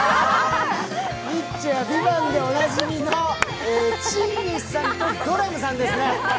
ニッチェは「ＶＩＶＡＮＴ」でおなじみのチンギスさんとドラムさんですね。